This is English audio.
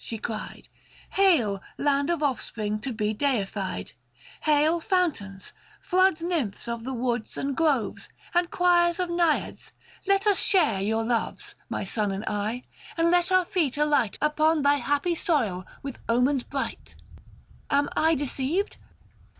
she cried ; Hail, land of offspring to be deified ; Hail, fountains, floods, Nymphs of the woods and groves. And choirs of Naiads ! let us share your loves, 540 Book I. THE FASTI. 21 My son and I — and let our feet alight Upon thy happy soil with omens bright. Am I deceived